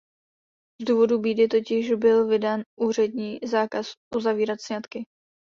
Z důvodu bídy totiž byl vydán úřední zákaz uzavírat sňatky.